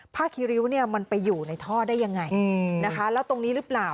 ผ้าคิริวมันไปอยู่ในท่อได้ยังไงแล้วตรงนี้หรือเปล่า